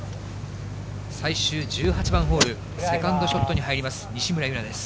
最終１８番ホール、セカンドショットに入ります、西村優菜です。